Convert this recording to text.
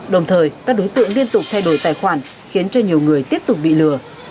đồng thời các đối tượng liên tục thay đổi tài khoản khiến cho nhiều người tiếp tục bị lừa